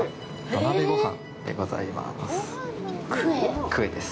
土鍋ごはんでございます。